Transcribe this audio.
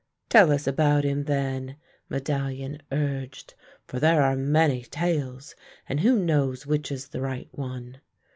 " Tell us about him, then," Medallion urged ;" for there are many tales, and who knows which is the right one?